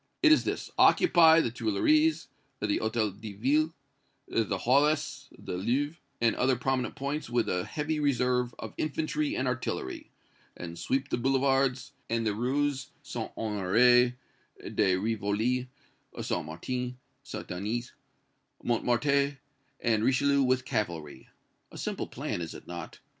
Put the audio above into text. It is this: Occupy the Tuileries, the Hôtel de Ville, the Halles, the Louvre and other prominent points with a heavy reserve of infantry and artillery, and sweep the boulevards, and the Rues St. Honoré, de Rivoli, St. Martin, St. Denis, Montmartre and Richelieu with cavalry. A simple plan, is it not?